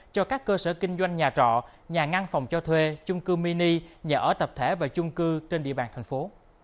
cho các cơ sở kinh doanh nhà trọ nhà ngăn phòng cho thuê chung cư mini nhà ở tập thể và chung cư trên địa bàn thành phố